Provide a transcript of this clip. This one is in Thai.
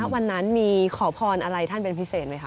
วันนั้นมีขอพรอะไรท่านเป็นพิเศษไหมคะ